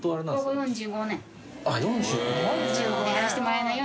４５年やらせてもらえないよ